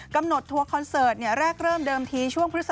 กำหนดทัวร์คอนเซิร์ตเนี่ยแรกเริ่มเดิมที